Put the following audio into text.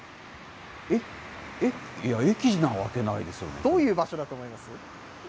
いや、駅なわけないですどういう場所だと思います？